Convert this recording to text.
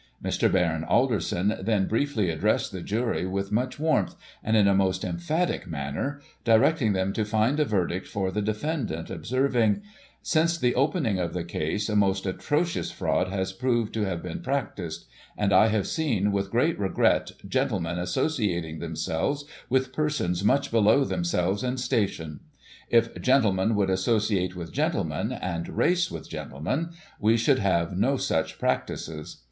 Mr. Baron Alderson then briefly addressed the jury with much warmth, and in a most emphatic manner; directing them to find a verdict for the defendant, observing :" Since the opening of the case, a most atrocious fraud has proved to have been practised ; and I have seen, with great regret, gentlemen associating themselves with persons much below themselves in station. If gentlemen would associate with gentlemen, and race with gentlemen, we should have no such practices.